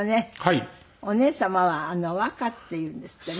お姉様は百華っていうんですってね。